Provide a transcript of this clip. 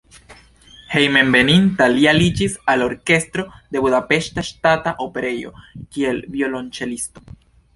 Hejmenveninta li aliĝis al orkestro de Budapeŝta Ŝtata Operejo, kiel violonĉelisto.